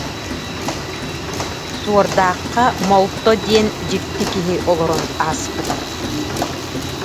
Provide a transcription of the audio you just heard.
Суордаахха Молто диэн дьикти киһи олорон ааспыта